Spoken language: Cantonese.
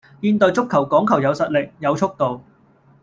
現代足球講求有實力,有速度